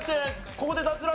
ここで脱落？